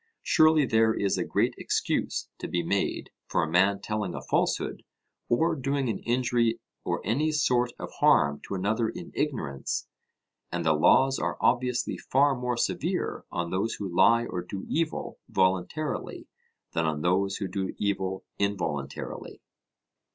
Surely there is a great excuse to be made for a man telling a falsehood, or doing an injury or any sort of harm to another in ignorance. And the laws are obviously far more severe on those who lie or do evil, voluntarily, than on those who do evil involuntarily.